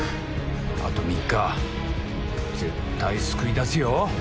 あと３日絶対救い出すよ！